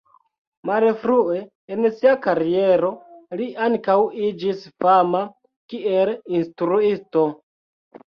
Malfrue en sia kariero li ankaŭ iĝis fama kiel instruisto.